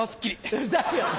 うるさいよ！